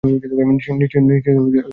নিশ্চিত তোমাদের পছন্দ হবে।